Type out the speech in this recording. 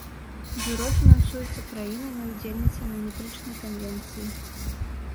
Бюро фінансуецца краінамі-удзельніцамі метрычнай канвенцыі.